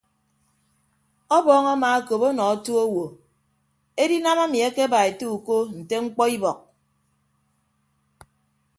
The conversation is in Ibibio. Ọbọọñ amaakop ọnọ otu owo edinam emi akeba ete uko nte mkpọ ibọk.